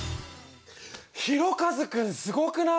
ひろかず君すごくない？